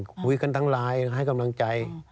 คุยกันทั้งไลน์ให้กำลังใจ